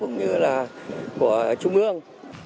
của trung ương